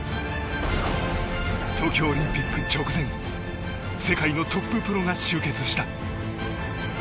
東京オリンピック直前世界のトッププロが集結した。